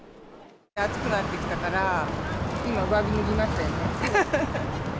暑くなってきたから、今、上着脱ぎましたよね。